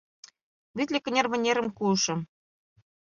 Витле кынер вынерым куышым;